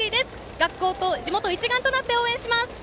学校と地元一丸となって応援します。